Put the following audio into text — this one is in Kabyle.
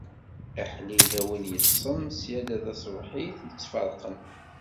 Aḥlil a win yeṭṭṣen, ṣṣyada taṣebhit i tt-ferqen!